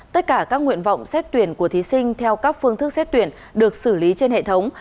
tất cả các nguyện vọng xét tuyển của thí sinh theo các phương thức xét tuyển được xử lý trên hệ thống